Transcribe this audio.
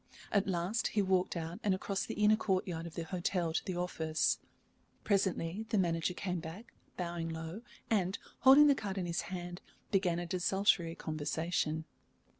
At last he walked out and across the inner courtyard of the hotel to the office. Presently the manager came back, bowing low, and, holding the card in his hand, began a desultory conversation.